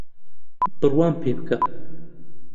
بڕوام پێبکە